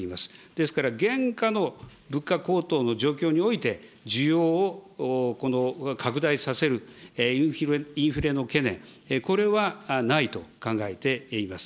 ですから、現下の物価高騰の状況において、需要を拡大させる、インフレの懸念、これはないと考えています。